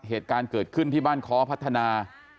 เหตุการณ์เกิดขึ้นที่บ้านค้อพัฒนา